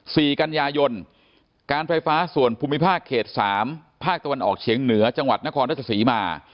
สี่กันยายนการไฟฟ้าส่วนภูมิภาคเขตสามภาคตะวันออกเฉียงเหนือจังหวัดนครราชสีมา